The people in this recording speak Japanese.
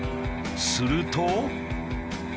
すると。